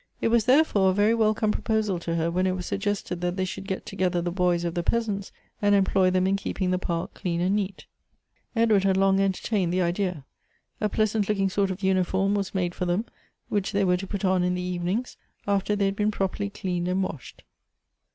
It was, therefore, a very welcome proposal to her when it was suggested that they should get together the boys of the peasants, and employ them in keeping the park clean and ne.it. Edward had long entertained the idea. A pleas.ant looking sort of uniform was made for them, which they were to put on in the evenings, after they had been properly cleaned and washed.